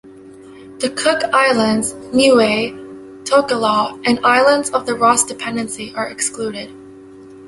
The Cook Islands, Niue, Tokelau, and islands of the Ross Dependency are excluded.